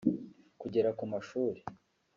kugera ku mashuri